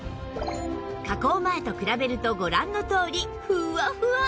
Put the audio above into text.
加工前と比べるとご覧のとおりふわふわ！